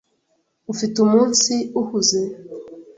Ufite umunsi uhuze?